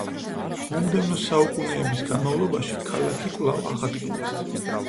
მომდევნო საუკუნეების განმავლობაში ქალაქი კვლავ აღადგინეს.